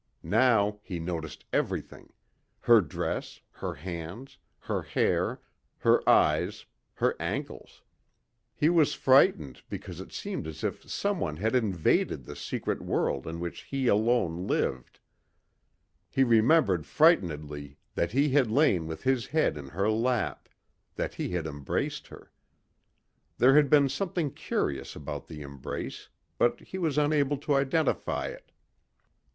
Now he noticed everything ... her dress, her hands, her hair, her eyes, her ankles. He was frightened because it seemed as if someone had invaded the secret world in which he alone lived. He remembered frightenedly that he had lain with his head in her lap, that he had embraced her. There had been something curious about the embrace but he was unable to identify it.